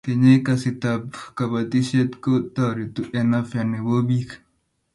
kenyeei kazii kab kabotishee kotoretuu en afya nebo biik